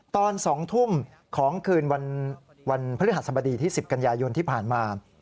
ตอน๒ทุ่มของคืนวันพฤหัสบดีที่๑๐กันยายนที่ผ่านมา